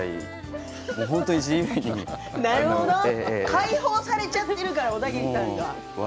解放されちゃってるからオダギリさんが。